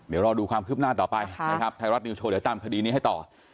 เดี๋ยวรอดูความคืบหน้าต่อไปนะครับไทยรัฐนิวโชว์เดี๋ยวตามคดีนี้ให้ต่อ